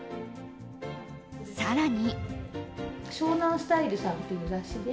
更に。